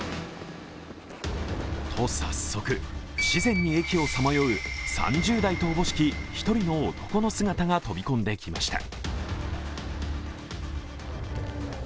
と早速、不自然に駅をさまよう３０代とおぼしき一人の男の姿が飛び込んできました。